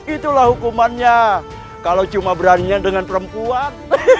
itulah hukumannya kalau cuma beraninya dengan perempuan